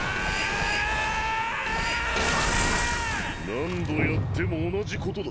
何度やっても同じことだ。